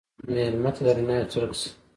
مېلمه ته د رڼا یو څرک شه.